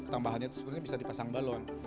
tambahannya itu sebenarnya bisa dipasang balon